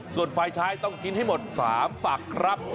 ส่วนฝ่ายชายต้องกินให้หมด๓ฝักครับ